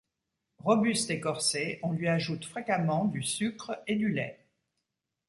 Robuste et corsé, on lui ajoute fréquemment du sucre et du lait.